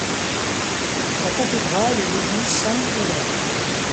La cathédrale est l'église Saint-Nicolas.